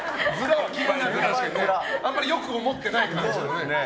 あんまり良く思ってない感じのね。